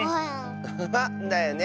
アハハだよね。